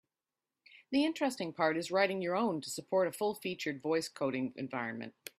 The interesting part is writing your own to support a full-featured voice coding environment.